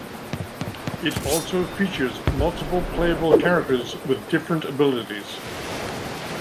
It also features multiple playable characters with different abilities.